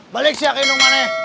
balik si ake ke rumah ini